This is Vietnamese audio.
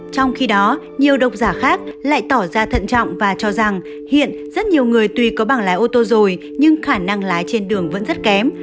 trong khi đó nhiều độc giả khác lại tỏ ra thận trọng và cho rằng hiện rất nhiều người tuy có bảng lái ô tô rồi nhưng khả năng lái trên đường vẫn rất kém